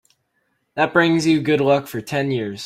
That brings you good luck for ten years.